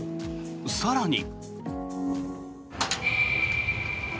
更に。